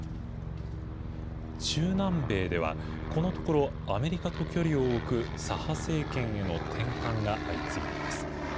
中南米では、このところ、アメリカと距離を置く左派政権への転換が相次いでいます。